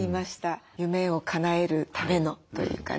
夢をかなえるためのというかね。